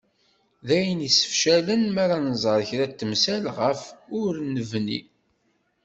D ayen i yessefcalen mi ara nẓer kra n temsal ɣef ur nebni.